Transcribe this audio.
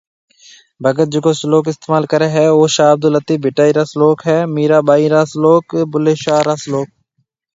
ڀگت جڪو سلوڪ استعمال ڪري هي او شاه عبدلطيف ڀٽائي رِا سلوڪ، ميران ٻائي را سلوڪ، بُلي شاه را سلوڪ